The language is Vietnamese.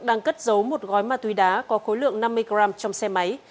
đang cất giấu một gói ma túy đá có khối lượng năm mươi g trong xe máy